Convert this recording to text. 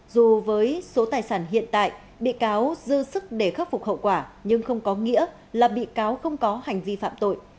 dù với số tài sản hiện tại bị cáo dư sức để khắc phục hậu quả nhưng không có nghĩa là bị cáo không có hành vi phạm tội